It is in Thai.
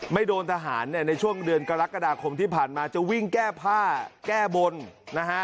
โดนทหารเนี่ยในช่วงเดือนกรกฎาคมที่ผ่านมาจะวิ่งแก้ผ้าแก้บนนะฮะ